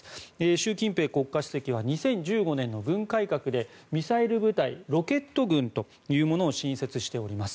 習近平国家主席は２０１５年の軍改革でミサイル部隊ロケット軍というものを新設しております。